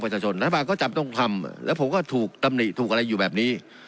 ประชาชนรัฐบาลก็จับตรงคำแล้วผมก็ถูกตำนี่ถูกอะไรอยู่แบบนี้